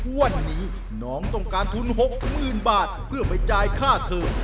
วันนี้น้องต้องการทุน๖๐๐๐บาทเพื่อไปจ่ายค่าเทิม